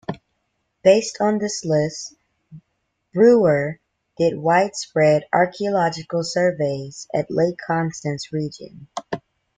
Based on this list, Breuer did widespread archaeological surveys at lake constance region.